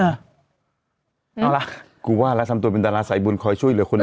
เอาล่ะกูว่าแล้วทำตัวเป็นดาราสายบุญคอยช่วยเหลือคุณ